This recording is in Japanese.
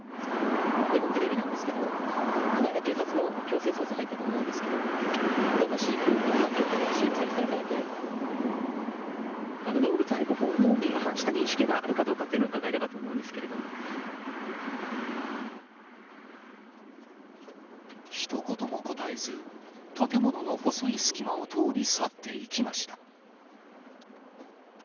日本テレビなんですけれども、この間、警察の強制捜査、入ったと思うんですけど、どんな飼育環境で飼育されていたのかだけ。動物愛護法に違反した認識があるかどうかっていうのを伺えればとひと言も答えず、建物の細い隙間を通り去っていきました。